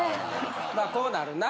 まあこうなるな。